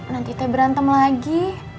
nanti kita berantem lagi